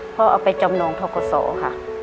เอาไปจำนองทกศค่ะ